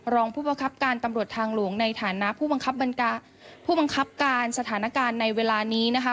รองผู้ประคับการตำรวจทางหลวงในฐานะผู้บังคับผู้บังคับการสถานการณ์ในเวลานี้นะคะ